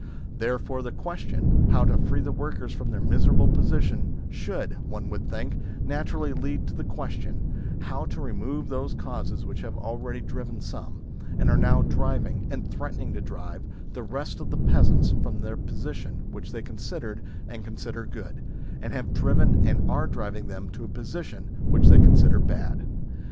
Therefore the question, how to free the workers from their miserable position, should, one would think, naturally lead to the question, how to remove those causes which have already driven some, and are now driving, and threatening to drive, the rest of the peasants from the position which they considered and consider good, and have driven and are driving them to a position which they consider bad.